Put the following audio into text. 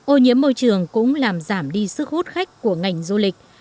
ô nhiễm môi trường cũng làm giảm đi sức hút khách của ngành du lịch